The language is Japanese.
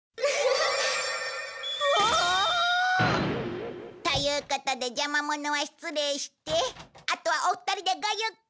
ふわあ！ということで邪魔者は失礼してあとはお二人でごゆっくり。